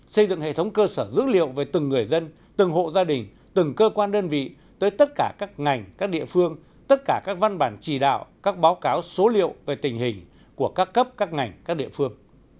xây dựng hệ thống cơ sở dữ liệu về từng người dân từng hộ gia đình từng cơ quan đơn vị tới tất cả các ngành các địa phương tất cả các văn bản chỉ đạo các báo cáo số liệu về tình hình của các cấp các ngành các địa phương